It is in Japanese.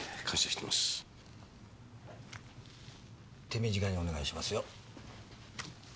手短にお願いしますよ。